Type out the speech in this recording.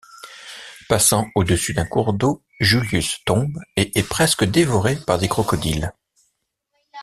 Passant au-dessus d'un cours d'eau, Julius tombe et est presque dévoré par des crocodiles.